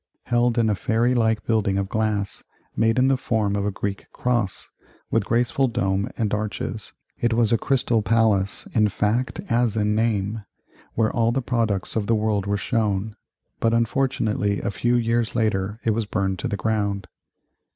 Held in a fairy like building of glass, made in the form of a Greek cross, with graceful dome and arches, it was a Crystal Palace in fact as in name, where all the products of the world were shown. But, unfortunately, a few years later it was burned to the ground.